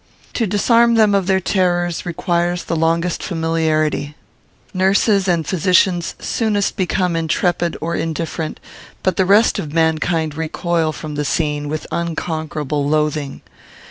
To disarm them of their terrors requires the longest familiarity. Nurses and physicians soonest become intrepid or indifferent; but the rest of mankind recoil from the scene with unconquerable loathing.